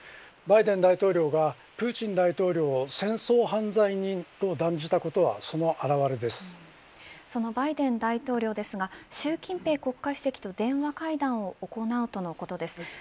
バイデン大統領がプーチン大統領を戦争犯罪人と断じたことはそのバイデン大統領ですが習近平国家主席と電話会談を行うとのことです。